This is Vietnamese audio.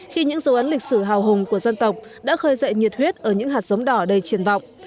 khi những dấu ấn lịch sử hào hùng của dân tộc đã khơi dậy nhiệt huyết ở những hạt giống đỏ đầy triển vọng